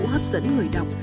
hấp dẫn người đọc